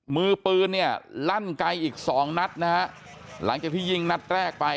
มือปืนเนี่ยลั่นไกลอีกสองนัดนะฮะหลังจากที่ยิงนัดแรกไป